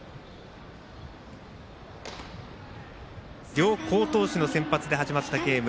両好投手の先発で始まったゲーム。